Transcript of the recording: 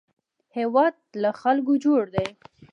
هېواد له خلکو جوړ دی